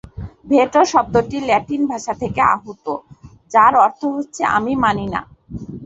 Veto শব্দটি Latin ভাষা থেকে আহুত, যার অর্থ হচ্ছে "আমি মানি না"।